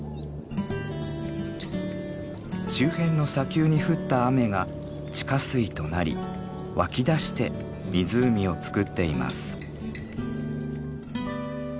周辺の砂丘に降った雨が地下水となり湧き出して湖をつくっています。